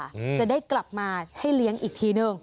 อืมจะได้กลับมาให้เลี้ยงอีกทีหนึ่ง